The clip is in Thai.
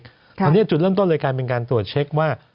ตอนนี้จุดเริ่มต้นเลยกลายเป็นการตรวจเช็คว่า